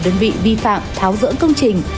đơn vị vi phạm tháo dỡ công trình